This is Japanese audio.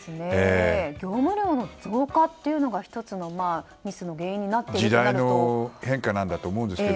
業務量の増加というのが１つのミスの原因になっているのかもしれませんが。